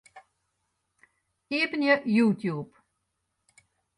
Iepenje YouTube.